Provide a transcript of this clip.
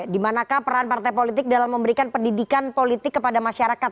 dimanakah peran partai politik dalam memberikan pendidikan politik kepada masyarakat